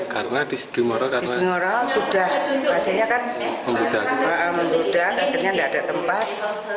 karena di sudimoro sudah pasiennya kan membudang akhirnya tidak ada tempat